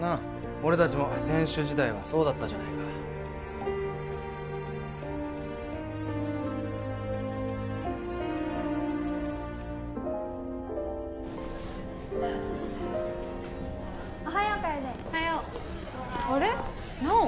俺達も選手時代はそうだったじゃないかおはよう楓おはようあれ菜緒？